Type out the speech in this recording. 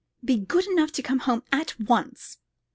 Be good enough to come home at once.